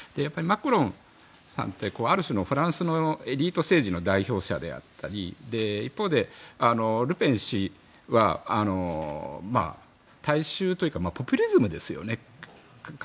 マクロンさんってある種のフランスのエリート政治の代表者であったり一方でルペン氏は大衆というかポピュリズムですよね。